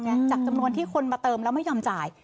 จากจำนวนที่คนมาเติมแล้วไม่ยอมจ่าย